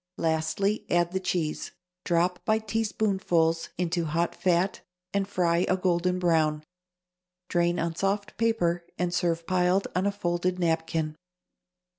Lastly, add the cheese. Drop, by teaspoonfuls, into hot fat and fry a golden brown. Drain on soft paper and serve piled on a folded napkin.